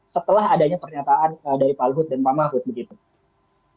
setelah adanya pernyataan dari pak luhut dan pak mahfud begitu